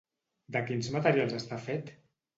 De quins materials està fet?